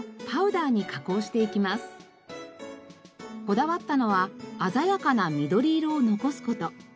こだわったのは鮮やかな緑色を残す事。